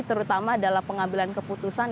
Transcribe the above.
terutama dalam pengambilan keputusan